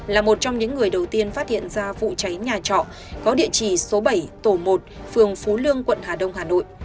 là một trong những người đầu tiên phát hiện ra vụ cháy nhà trọ có địa chỉ số bảy tổ một phường phú lương quận hà đông hà nội